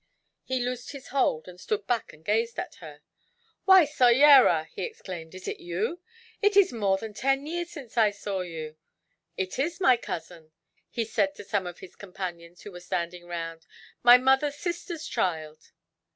He loosed his hold, and stood back and gazed at her. "Why, Soyera," he exclaimed, "is it you? It is more than ten years since I saw you! "It is my cousin," he said to some of his companions who were standing round, "my mother's sister's child."